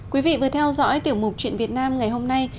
quý vị vừa theo dõi tiểu mục chuyện việt nam ngày hôm nay